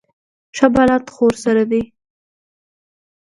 ښه بلد خو ورسره دی.